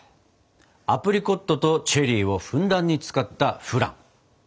アプリコットとチェリーをふんだんに使ったフラン。